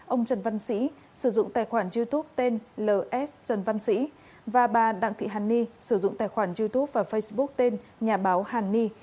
ông trần văn sĩ sử dụng tài khoản youtube tên l s trần văn sĩ và bà đặng thị hà ni sử dụng tài khoản youtube và facebook tên nhà báo hà ni